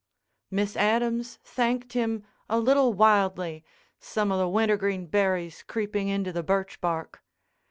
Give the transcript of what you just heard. Miss Adams thanked him a little wildly, some of the wintergreen berries creeping into the birch bark.